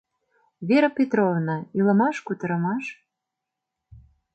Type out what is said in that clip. Вера Петровна, илымаш-кутырымаш?